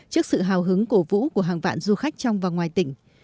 trước sự hào hứng cổ vũ của hàng vạn du khách trong và ngoài tỉnh